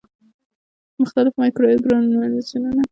مختلف مایکرو ارګانیزمونه وجود ته داخليږي.